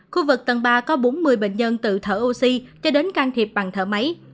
khu vực tầng ba có bốn mươi bệnh nhân tự thở oxy cho đến can thiệp bằng thở máy